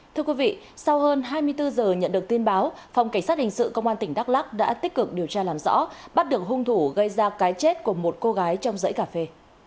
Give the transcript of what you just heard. thưa quý vị sau hơn hai mươi bốn giờ nhận được tin báo phòng cảnh sát hình sự công an tỉnh đắk lắc đã tích cực điều tra làm rõ bắt được hung thủ gây ra cái chết của một cô gái trong dãy cà phê